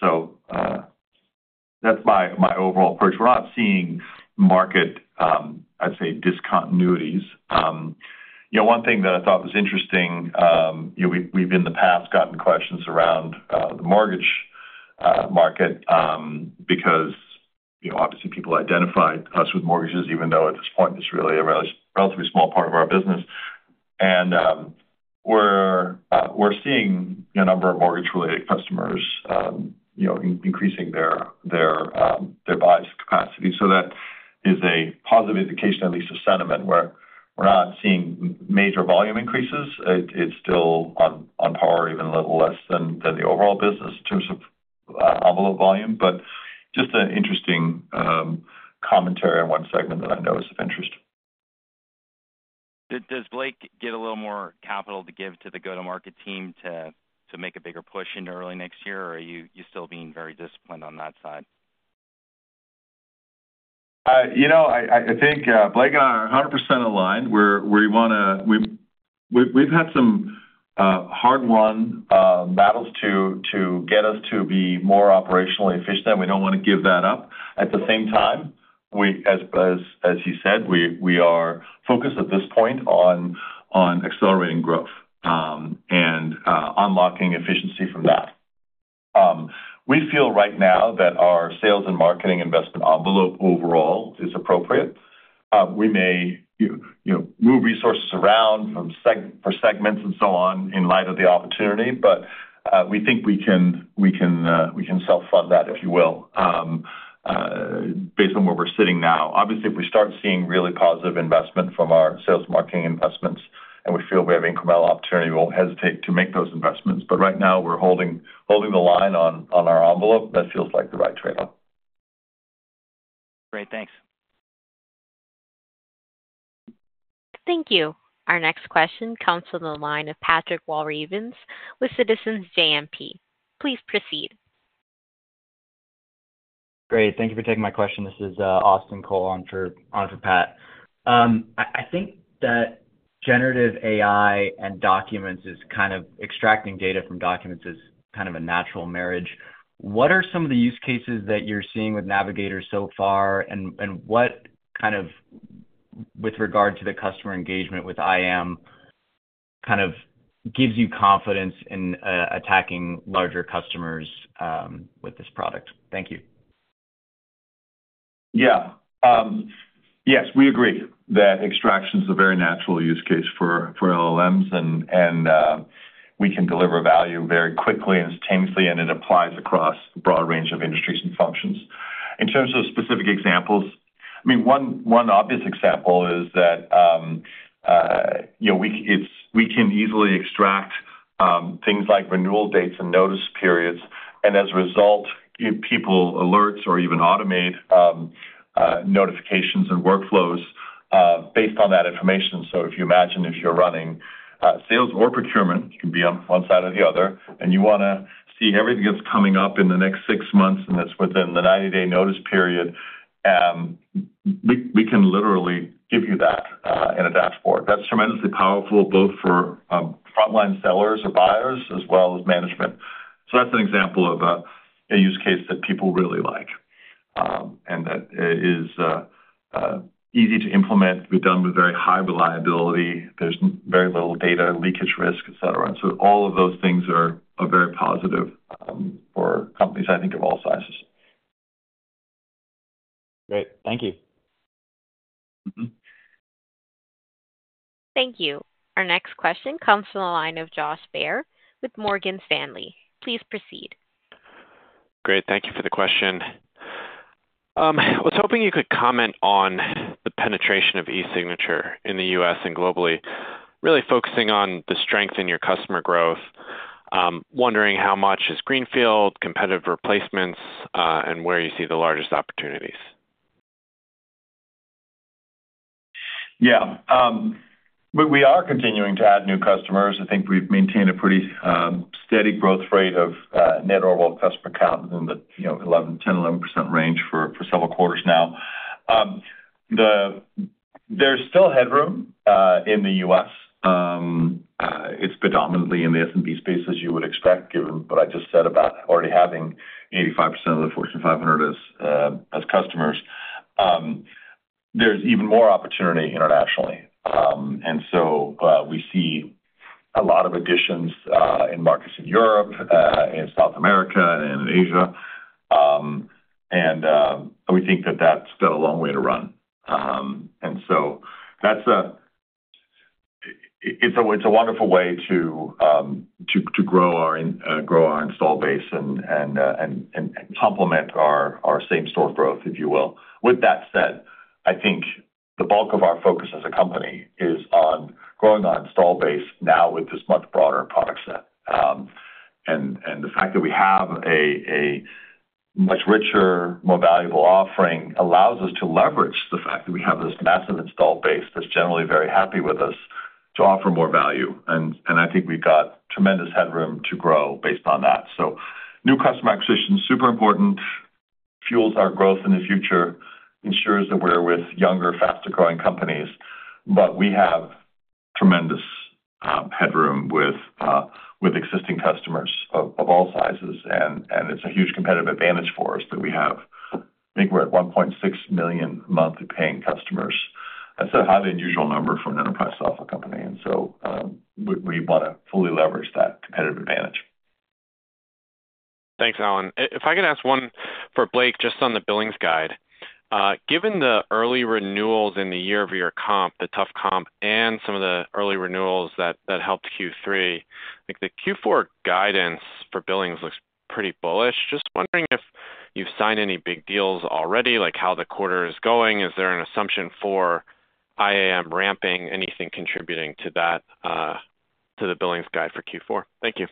S3: So that's my overall approach. We're not seeing market, I'd say, discontinuities. One thing that I thought was interesting, we've in the past gotten questions around the mortgage market because obviously people identify us with mortgages, even though at this point it's really a relatively small part of our business. And we're seeing a number of mortgage-related customers increasing their buying capacity. So that is a positive indication, at least a sentiment, where we're not seeing major volume increases. It's still on par, even a little less than the overall business in terms of envelope volume. But just an interesting commentary on one segment that I know is of interest.
S7: Does Blake get a little more capital to give to the go-to-market team to make a bigger push into early next year, or are you still being very disciplined on that side?
S3: I think Blake and I are 100% aligned. We've had some hard-won battles to get us to be more operationally efficient, and we don't want to give that up. At the same time, as he said, we are focused at this point on accelerating growth and unlocking efficiency from that. We feel right now that our sales and marketing investment envelope overall is appropriate. We may move resources around for segments and so on in light of the opportunity, but we think we can self-fund that, if you will, based on where we're sitting now. Obviously, if we start seeing really positive investment from our sales and marketing investments and we feel we have incremental opportunity, we won't hesitate to make those investments. But right now, we're holding the line on our envelope. That feels like the right trade-off.
S7: Great. Thanks.
S1: Thank you. Our next question comes from the line of Patrick Walravens with Citizens JMP. Please proceed.
S8: Great. Thank you for taking my question. This is Austin Cole on for Pat. I think that generative AI and extracting data from documents is kind of a natural marriage. What are some of the use cases that you're seeing with Navigator so far, and what kind of, with regard to the customer engagement with IAM, kind of gives you confidence in attacking larger customers with this product? Thank you.
S3: Yeah. Yes, we agree that extraction is a very natural use case for LLMs, and we can deliver value very quickly and sustainably, and it applies across a broad range of industries and functions. In terms of specific examples, I mean, one obvious example is that we can easily extract things like renewal dates and notice periods, and as a result, give people alerts or even automate notifications and workflows based on that information. So if you imagine you're running sales or procurement, it can be on one side or the other, and you want to see everything that's coming up in the next six months, and that's within the 90-day notice period, we can literally give you that in a dashboard. That's tremendously powerful, both for frontline sellers or buyers as well as management. So that's an example of a use case that people really like and that is easy to implement. We've done with very high reliability. There's very little data leakage risk, etc. So all of those things are very positive for companies, I think, of all sizes.
S8: Great. Thank you.
S1: Thank you. Our next question comes from the line of Josh Baer with Morgan Stanley. Please proceed.
S9: Great. Thank you for the question. I was hoping you could comment on the penetration of e-signature in the U.S. and globally, really focusing on the strength in your customer growth, wondering how much is greenfield, competitive replacements, and where you see the largest opportunities.
S3: Yeah. We are continuing to add new customers. I think we've maintained a pretty steady growth rate of net overall customer count in the 10%-11% range for several quarters now. There's still headroom in the U.S. It's predominantly in the SMB space, as you would expect, given what I just said about already having 85% of the Fortune 500 as customers. There's even more opportunity internationally. And so we see a lot of additions in markets in Europe and South America and in Asia. And we think that that's got a long way to run. And so it's a wonderful way to grow our install base and complement our same-store growth, if you will. With that said, I think the bulk of our focus as a company is on growing our install base now with this much broader product set. And the fact that we have a much richer, more valuable offering allows us to leverage the fact that we have this massive install base that's generally very happy with us to offer more value. I think we've got tremendous headroom to grow based on that. So new customer acquisition is super important, fuels our growth in the future, ensures that we're with younger, faster-growing companies. But we have tremendous headroom with existing customers of all sizes, and it's a huge competitive advantage for us that we have. I think we're at 1.6 million monthly paying customers. That's a highly unusual number for an enterprise software company. And so we want to fully leverage that competitive advantage.
S9: Thanks, Allan. If I could ask one for Blake just on the billings guidance. Given the early renewals in the year of your comp, the tough comp, and some of the early renewals that helped Q3, I think the Q4 guidance for billings looks pretty bullish. Just wondering if you've signed any big deals already, like how the quarter is going. Is there an assumption for IAM ramping, anything contributing to that, to the billings guide for Q4? Thank you.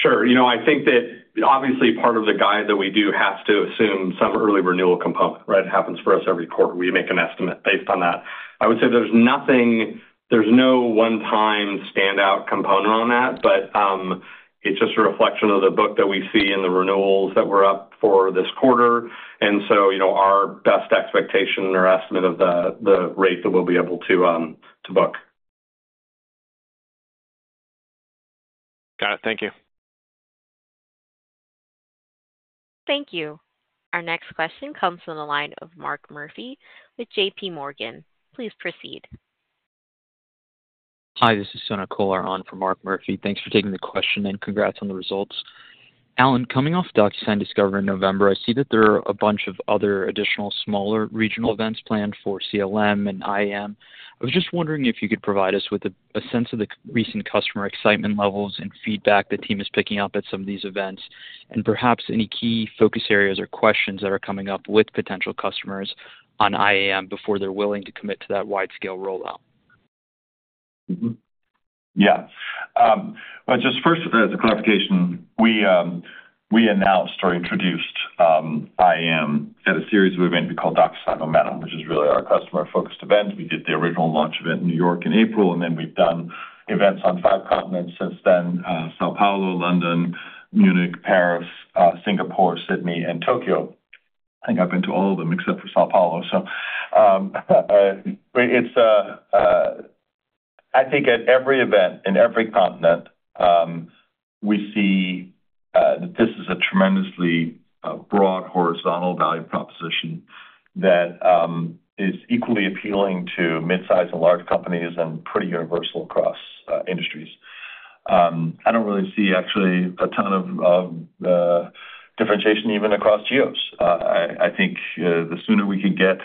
S4: Sure. I think that obviously part of the guide that we do has to assume some early renewal component, right? It happens for us every quarter. We make an estimate based on that. I would say there's no one-time standout component on that, but it's just a reflection of the book that we see in the renewals that we're up for this quarter, and so our best expectation or estimate of the rate that we'll be able to book.
S9: Got it. Thank you.
S1: Thank you. Our next question comes from the line of Mark Murphy with JP Morgan. Please proceed.
S10: Hi. This is Sonak Kolar on for Mark Murphy. Thanks for taking the question and congrats on the results. Allan, coming off Docusign Discover in November, I see that there are a bunch of other additional smaller regional events planned for CLM and IAM. I was just wondering if you could provide us with a sense of the recent customer excitement levels and feedback the team is picking up at some of these events, and perhaps any key focus areas or questions that are coming up with potential customers on IAM before they're willing to commit to that wide-scale rollout.
S3: Yeah. Just first, as a clarification, we announced or introduced IAM at a series of events we called Docusign Momentum, which is really our customer-focused event. We did the original launch event in New York in April, and then we've done events on five continents since then: São Paulo, London, Munich, Paris, Singapore, Sydney, and Tokyo. I think I've been to all of them except for São Paulo. So I think at every event in every continent, we see that this is a tremendously broad horizontal value proposition that is equally appealing to mid-size and large companies and pretty universal across industries. I don't really see actually a ton of differentiation even across geos. I think the sooner we can get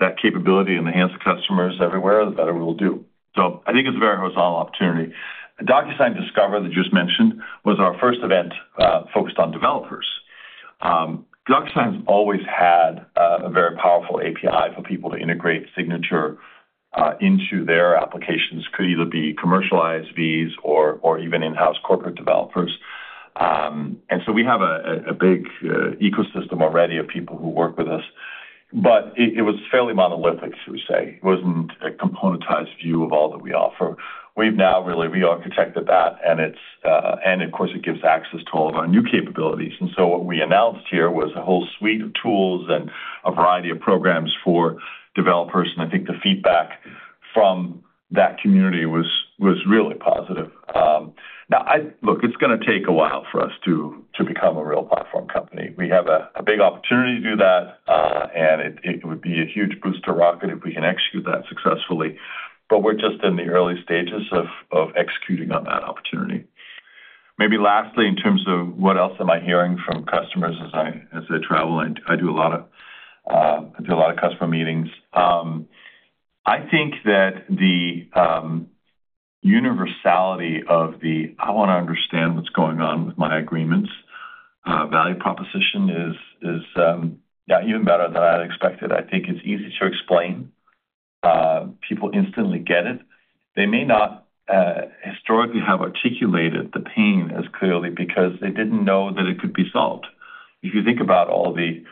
S3: that capability and enhance customers everywhere, the better we will do. So I think it's a very horizontal opportunity. Docusign Discover that you just mentioned was our first event focused on developers. Docusign has always had a very powerful API for people to integrate signature into their applications. It could either be commercialized ISVs or even in-house corporate developers. And so we have a big ecosystem already of people who work with us. But it was fairly monolithic, should we say. It wasn't a componentized view of all that we offer. We've now really re-architected that, and of course, it gives access to all of our new capabilities. And so what we announced here was a whole suite of tools and a variety of programs for developers. And I think the feedback from that community was really positive. Now, look, it's going to take a while for us to become a real platform company. We have a big opportunity to do that, and it would be a huge booster rocket if we can execute that successfully. But we're just in the early stages of executing on that opportunity. Maybe lastly, in terms of what else am I hearing from customers as they travel? I do a lot of customer meetings. I think that the universality of the, "I want to understand what's going on with my agreements," value proposition is even better than I had expected. I think it's easy to explain. People instantly get it. They may not historically have articulated the pain as clearly because they didn't know that it could be solved. If you think about all the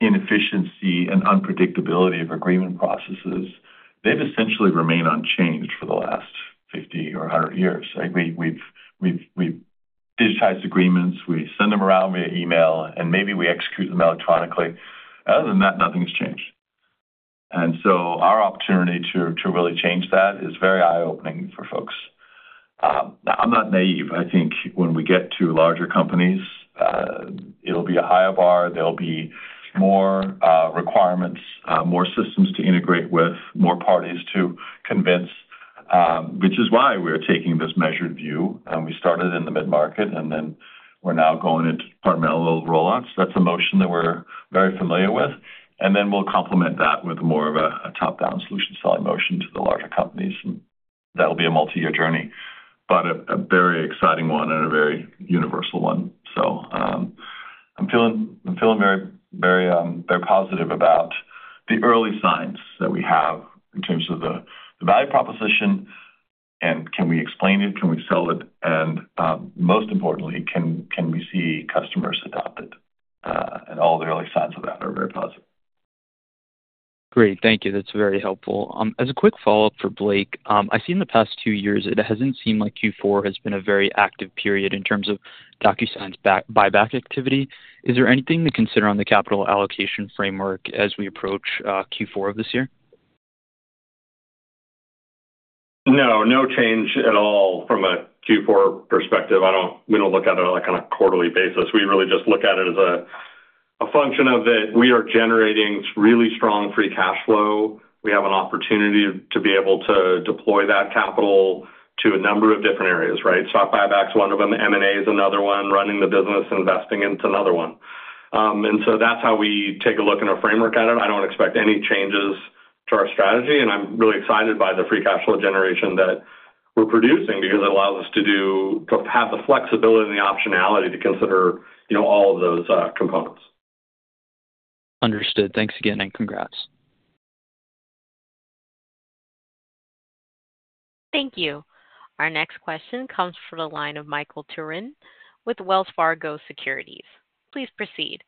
S3: inefficiency and unpredictability of agreement processes, they've essentially remained unchanged for the last 50 or 100 years. We've digitized agreements. We send them around via email, and maybe we execute them electronically. Other than that, nothing has changed, and so our opportunity to really change that is very eye-opening for folks. I'm not naive. I think when we get to larger companies, it'll be a higher bar. There'll be more requirements, more systems to integrate with, more parties to convince, which is why we're taking this measured view. We started in the mid-market, and then we're now going into departmental rollouts. That's a motion that we're very familiar with. And then we'll complement that with more of a top-down solution selling motion to the larger companies. And that'll be a multi-year journey, but a very exciting one and a very universal one. So I'm feeling very positive about the early signs that we have in terms of the value proposition, and can we explain it? Can we sell it? And most importantly, can we see customers adopt it? And all the early signs of that are very positive.
S10: Great. Thank you. That's very helpful. As a quick follow-up for Blake, I see in the past two years, it hasn't seemed like Q4 has been a very active period in terms of Docusign's buyback activity. Is there anything to consider on the capital allocation framework as we approach Q4 of this year?
S4: No. No change at all from a Q4 perspective. We don't look at it on a kind of quarterly basis. We really just look at it as a function of that we are generating really strong free cash flow. We have an opportunity to be able to deploy that capital to a number of different areas, right? Stock buybacks are one of them. M&A is another one. Running the business and investing is another one. And so that's how we take a look and a framework at it. I don't expect any changes to our strategy. And I'm really excited by the free cash flow generation that we're producing because it allows us to have the flexibility and the optionality to consider all of those components.
S10: Understood. Thanks again, and congrats.
S1: Thank you. Our next question comes from the line of Michael Turrin with Wells Fargo Securities. Please proceed.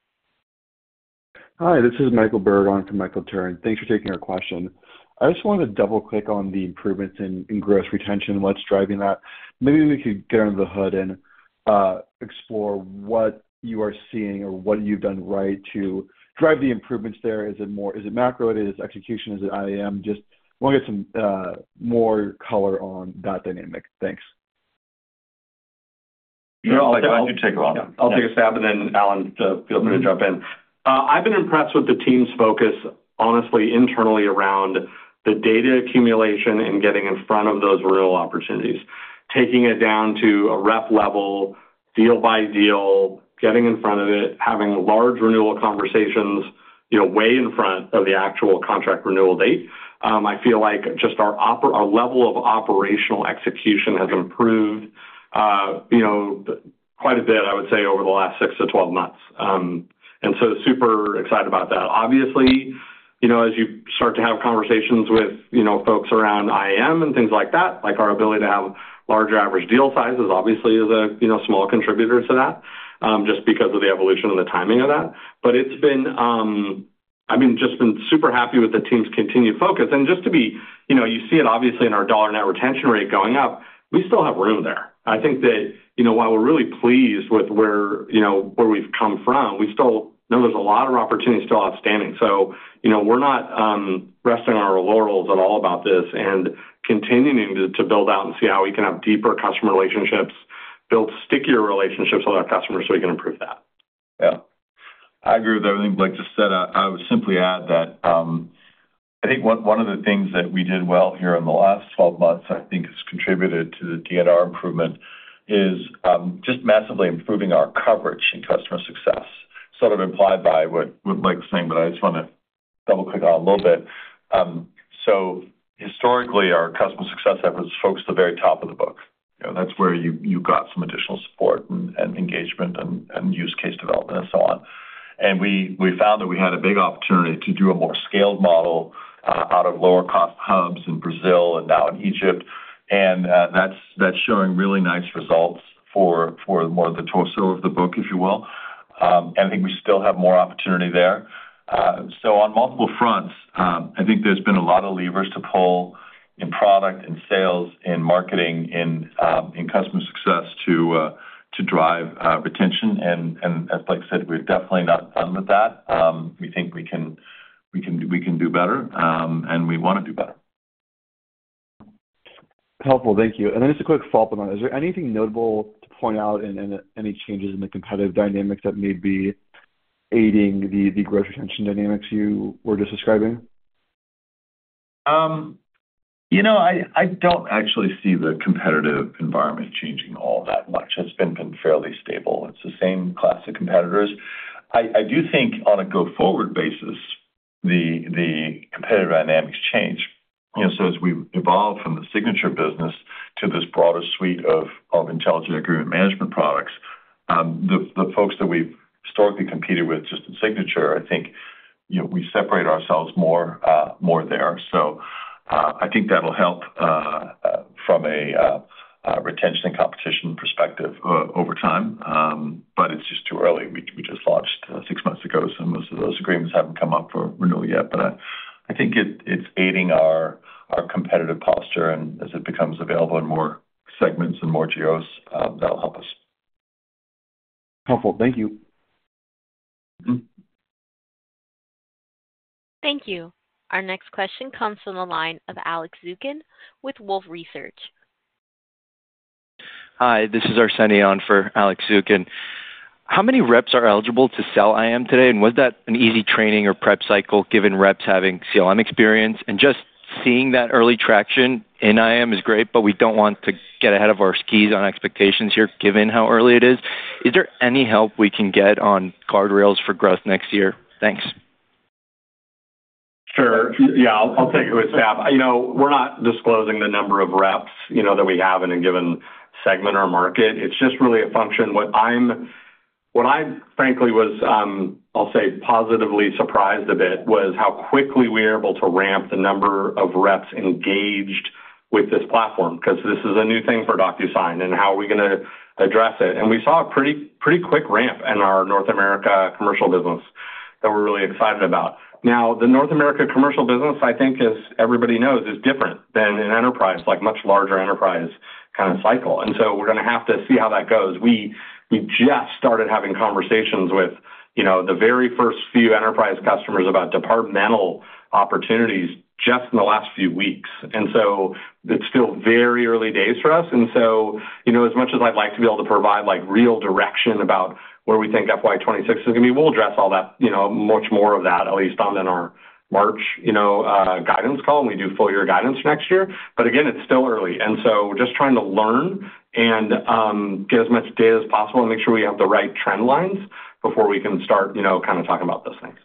S11: Hi. This is Michael Berg on for Michael Turrin. Thanks for taking our question. I just wanted to double-click on the improvements in gross retention and what's driving that. Maybe we could get under the hood and explore what you are seeing or what you've done right to drive the improvements there. Is it macro? Is it execution? Is it IAM? Just want to get some more color on that dynamic. Thanks.
S4: You're all right. I'll take a while. I'll take a stab, and then Allan, feel free to jump in. I've been impressed with the team's focus, honestly, internally around the data accumulation and getting in front of those real opportunities. Taking it down to a rep level, deal by deal, getting in front of it, having large renewal conversations way in front of the actual contract renewal date. I feel like just our level of operational execution has improved quite a bit, I would say, over the last six to 12 months, and so super excited about that. Obviously, as you start to have conversations with folks around IAM and things like that, our ability to have larger average deal sizes, obviously, is a small contributor to that just because of the evolution and the timing of that, but I've just been super happy with the team's continued focus. And just as you see it, obviously, in our dollar net retention rate going up. We still have room there. I think that while we're really pleased with where we've come from, we still know there's a lot of opportunity still outstanding. So we're not resting on our laurels at all about this and continuing to build out and see how we can have deeper customer relationships, build stickier relationships with our customers so we can improve that.
S3: Yeah. I agree with everything Blake just said. I would simply add that I think one of the things that we did well here in the last 12 months, I think, has contributed to the DNR improvement is just massively improving our coverage and customer success. Sort of implied by what Blake's saying, but I just want to double-click on a little bit. So historically, our customer success efforts focused at the very top of the book. That's where you got some additional support and engagement and use case development and so on. And we found that we had a big opportunity to do a more scaled model out of lower-cost hubs in Brazil and now in Egypt. And that's showing really nice results for more of the torso of the book, if you will. And I think we still have more opportunity there. So on multiple fronts, I think there's been a lot of levers to pull in product, in sales, in marketing, in customer success to drive retention. And as Blake said, we're definitely not done with that. We think we can do better, and we want to do better.
S11: Helpful. Thank you. And then just a quick follow-up on that. Is there anything notable to point out in any changes in the competitive dynamic that may be aiding the gross retention dynamics you were just describing?
S3: I don't actually see the competitive environment changing all that much. It's been fairly stable. It's the same class of competitors. I do think on a go-forward basis, the competitive dynamics change. So as we evolve from the signature business to this broader suite of Intelligent Agreement Management products, the folks that we've historically competed with just in signature, I think we separate ourselves more there. So I think that'll help from a retention and competition perspective over time. But it's just too early. We just launched six months ago, so most of those agreements haven't come up for renewal yet. But I think it's aiding our competitive posture. And as it becomes available in more segments and more geos, that'll help us.
S11: Helpful. Thank you.
S1: Thank you. Our next question comes from the line of Alex Zukin with Wolfe Research.
S12: Hi. This is Arsenije on for Alex Zukin. How many reps are eligible to sell IAM today? Was that an easy training or prep cycle given reps having CLM experience? And just seeing that early traction in IAM is great, but we don't want to get ahead of our skis on expectations here given how early it is. Is there any help we can get on guardrails for growth next year? Thanks.
S4: Sure. Yeah. I'll take a quick stab. We're not disclosing the number of reps that we have in a given segment or market. It's just really a function. What I, frankly, was, I'll say, positively surprised a bit was how quickly we were able to ramp the number of reps engaged with this platform because this is a new thing for Docusign and how are we going to address it. And we saw a pretty quick ramp in our North America commercial business that we're really excited about. Now, the North America commercial business, I think, as everybody knows, is different than an enterprise, like a much larger enterprise kind of cycle. And so we're going to have to see how that goes. We just started having conversations with the very first few enterprise customers about departmental opportunities just in the last few weeks. And so it's still very early days for us. And so as much as I'd like to be able to provide real direction about where we think FY2026 is going to be, we'll address all that, much more of that, at least on our March guidance call. We do full-year guidance next year. But again, it's still early. And so we're just trying to learn and get as much data as possible and make sure we have the right trend lines before we can start kind of talking about those things.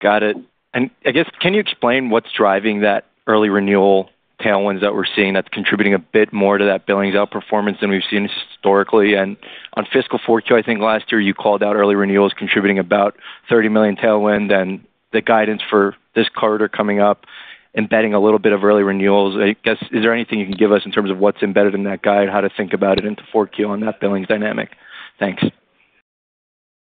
S12: Got it. And I guess, can you explain what's driving that early renewal tailwinds that we're seeing that's contributing a bit more to that Billings outperformance than we've seen historically? And on fiscal 4Q, I think last year you called out early renewals contributing about $30 million tailwind, and the guidance for this quarter coming up, embedding a little bit of early renewals. I guess, is there anything you can give us in terms of what's embedded in that guide, how to think about it into 4Q on that Billings dynamic? Thanks.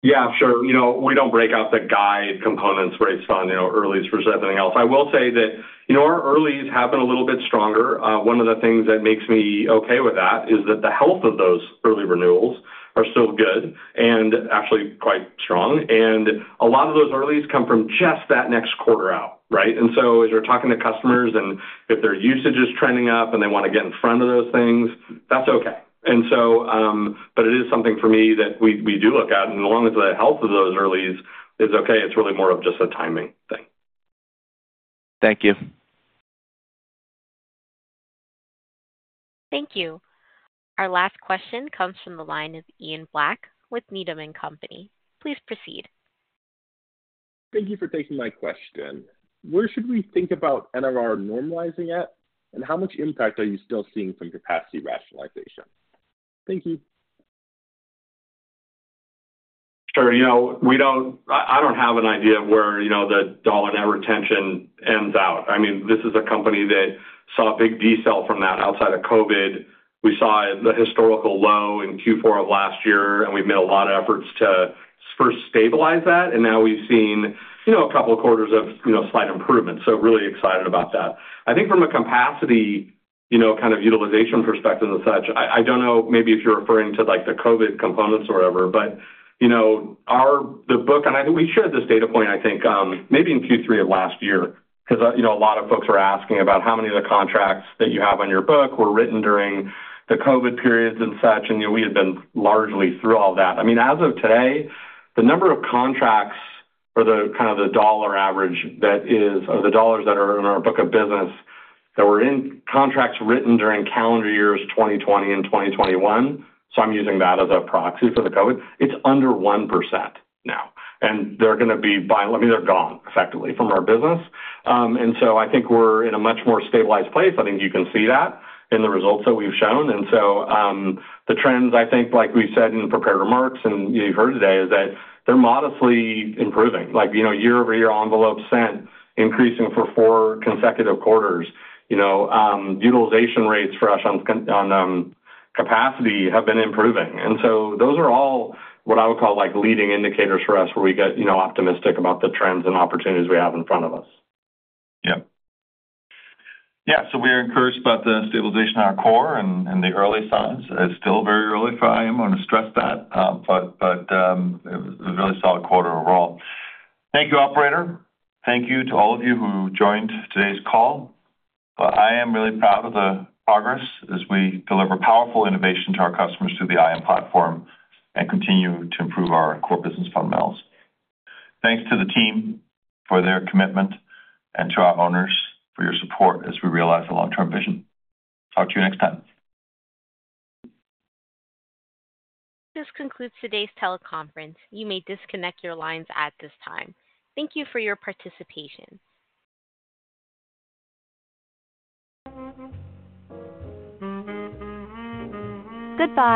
S4: Yeah. Sure. We don't break out the guide components based on earlies versus everything else. I will say that our earlies have been a little bit stronger. One of the things that makes me okay with that is that the health of those early renewals are still good and actually quite strong. And a lot of those earlies come from just that next quarter out, right? And so as you're talking to customers, and if their usage is trending up and they want to get in front of those things, that's okay. But it is something for me that we do look at. And as long as the health of those earlies is okay, it's really more of just a timing thing.
S12: Thank you.
S1: Thank you. Our last question comes from the line of Ian Black with Needham & Company. Please proceed.
S13: Thank you for taking my question. Where should we think about NRR normalizing at, and how much impact are you still seeing from capacity rationalization? Thank you.
S4: Sure. I don't have an idea of where the dollar net retention ends out. I mean, this is a company that saw a big decel from that outside of COVID. We saw the historical low in Q4 of last year, and we've made a lot of efforts to first stabilize that and now we've seen a couple of quarters of slight improvement. So really excited about that. I think from a capacity kind of utilization perspective and such, I don't know maybe if you're referring to the COVID components or whatever, but the book and I think we shared this data point, I think, maybe in Q3 of last year because a lot of folks were asking about how many of the contracts that you have on your book were written during the COVID periods and such and we had been largely through all of that. I mean, as of today, the number of contracts or kind of the dollar average that is of the dollars that are in our book of business that were in contracts written during calendar years 2020 and 2021, so I'm using that as a proxy for the COVID, it's under 1% now. And they're going to be by, I mean, they're gone effectively from our business. And so I think we're in a much more stabilized place. I think you can see that in the results that we've shown. And so the trends, I think, like we said in prepared remarks and you've heard today, is that they're modestly improving. Year-over-year envelopes sent, increasing for four consecutive quarters. Utilization rates for us on capacity have been improving. And so those are all what I would call leading indicators for us where we get optimistic about the trends and opportunities we have in front of us.
S3: Yep. Yeah. So we are encouraged by the stabilization in our core and the early signs. It's still very early for IAM. I want to stress that. But it was a really solid quarter overall. Thank you, operator. Thank you to all of you who joined today's call. I'm really proud of the progress as we deliver powerful innovation to our customers through the IAM platform and continue to improve our core business fundamentals. Thanks to the team for their commitment and to our owners for your support as we realize the long-term vision. Talk to you next time.
S1: This concludes today's teleconference. You may disconnect your lines at this time. Thank you for your participation. Good.